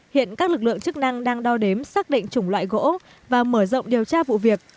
hiện các lực lượng chức năng đang đo đếm xác định chủng loại gỗ và mở rộng điều tra vụ việc